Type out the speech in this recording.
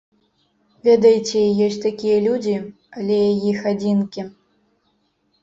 Ведаеце, ёсць такія людзі, але іх адзінкі.